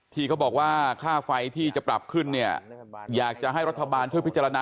ที่เขาบอกว่าค่าไฟที่จะปรับขึ้นเนี่ยอยากจะให้รัฐบาลช่วยพิจารณา